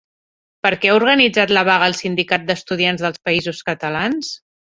Per què ha organitzat la vaga el Sindicat d'Estudiants dels Països Catalans?